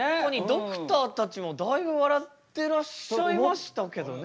ドクターたちもだいぶ笑ってらっしゃいましたけどね。